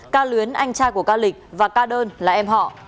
ca luyến anh trai của ca lịch và ca đơn là em họ